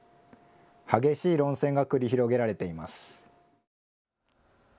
激しい論戦が繰り広げられています。